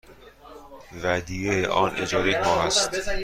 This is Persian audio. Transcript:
ودیعه آن اجاره یک ماه است.